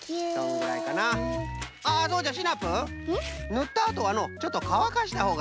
ぬったあとはのうちょっとかわかしたほうがよいぞい。